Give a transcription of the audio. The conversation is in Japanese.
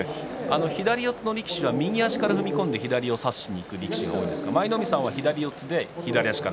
左四つの力士は右から踏み込んで左を差しにいく力士が多いんですが舞の海さんは左四つで左足から？